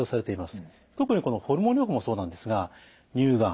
特にこのホルモン療法もそうなんですが乳がん